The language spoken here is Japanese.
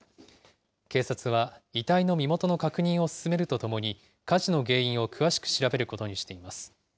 警察は、遺体の身元の確認を進めるとともに、火事の原因を詳しく調べることにしています。